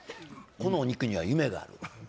このお肉には夢がある。